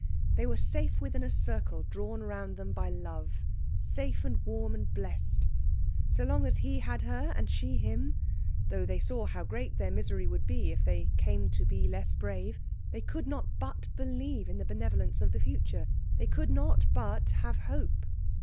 They were safe within a circle drawn round them by love safe, and warm, and blest. So long as he had her and she him, though they saw how great their misery would be if they came to be less brave, they could not but believe in the benevolence of the future, they could not but have hope.